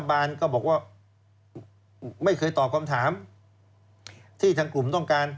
รัฐบาลก็บอกว่าไม่เคยตอบคำถามที่ทั้งคนต้องการ